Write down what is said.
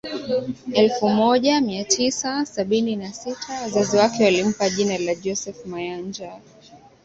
elfu moja mia tisa sabini na sita wazazi wake walimpa jina la Joseph Mayanja